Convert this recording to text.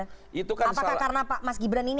apakah karena pak mas gibran ini